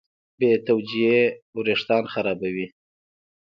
بېتوجهي وېښتيان خرابوي.